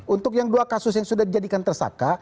untuk yang dua kasus yang sudah dijadikan tersangka